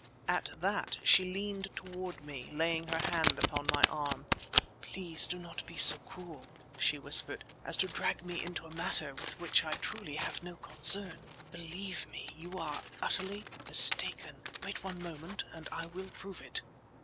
At that she leaned toward me, laying her hand on my arm. "Please do not be so cruel," she whispered, "as to drag me into a matter with which truly I have no concern. Believe me, you are utterly mistaken. Wait one moment, and I will prove it."